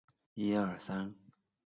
万历二十七年二月十九日生。